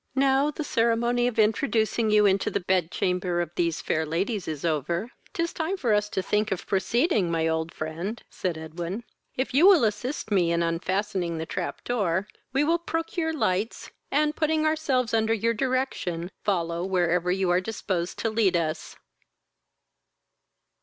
"Now the ceremony of introducing you into the bed chamber of these fair ladies is over, 'tis time for us to think of proceeding, my old friend, (said Edwin.) If you will assist me in unfastening the trap door, we will procure lights, and, putting ourselves under your direction, follow wherever you are disposed to lead us.